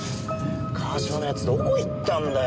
川島のやつどこ行ったんだよ